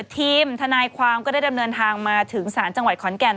ทีมทนายความก็ได้เดินทางมาถึงศาลจังหวัดขอนแก่น